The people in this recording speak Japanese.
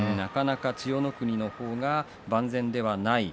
千代の国の方が万全ではない。